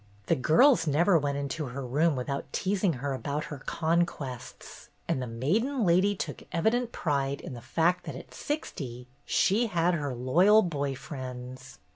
The girls never went into her room without teasing her about her "conquests," and the maiden lady took evident pride in the fact that at sixty she had her loyal boy friends.